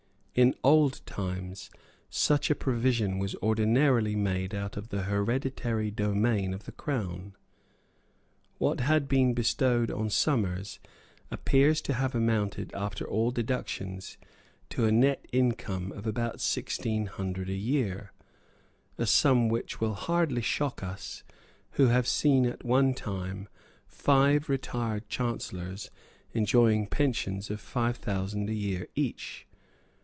In old times such a provision was ordinarily made out of the hereditary domain of the Crown. What had been bestowed on Somers appears to have amounted, after all deductions, to a net income of about sixteen hundred a year, a sum which will hardly shock us who have seen at one time five retired Chancellors enjoying pensions of five thousand a year each.